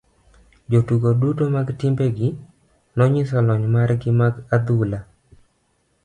Jotugo duto mag timbe gi nonyiso lony mar gi mar adhula.